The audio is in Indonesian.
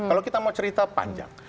kalau kita mau cerita panjang